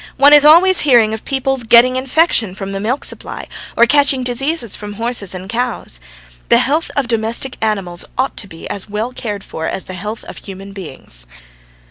One is always hearing of people's getting infection from the milk supply, or catching diseases from horses and cows. The health of domestic animals ought to be as well cared for as the health of human beings."